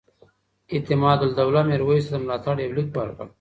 اعتمادالدولة میرویس ته د ملاتړ یو لیک ورکړ.